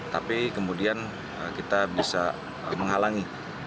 tapi kemudian kita bisa menghalangi